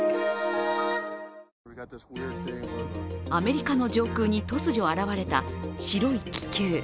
アメリカの上空に突如現れた白い気球。